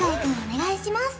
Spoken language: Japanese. お願いします